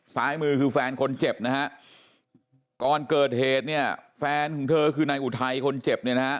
ซ้ายมือคือแฟนคนเจ็บก่อนเกิดเหตุแฟนคือในอุทัยคนเจ็บ